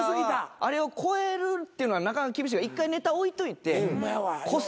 あれを超えるっていうのはなかなか厳しいから一回ネタ置いといて個性。